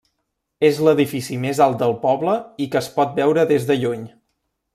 És l'edifici més alt del poble i que es pot veure des de lluny.